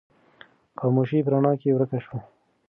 خاموشي په رڼا کې ورکه شوه.